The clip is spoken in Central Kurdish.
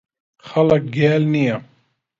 خەڵک گێل نییە.